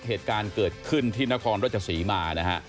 เหตุการณ์เกิดขึ้นที่นครรัชศรีมานะฮะ